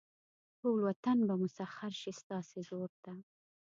ټول وطن به مسخر شي ستاسې زور ته.